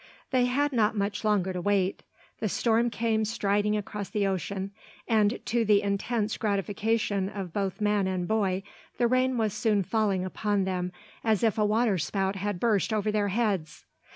They had not much longer to wait. The storm came striding across the ocean; and, to the intense gratification of both man and boy, the rain was soon falling upon them, as if a water spout had burst over their heads.